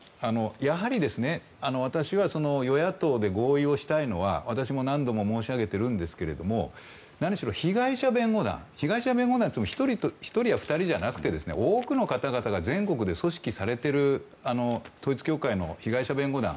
私は与野党で合意をしたいのは私も何度も申し上げているんですが何しろ被害者弁護団といっても１人や２人じゃなくて多くの方が全国で組織されている統一教会の被害者弁護団。